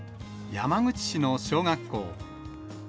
山口市の小学校。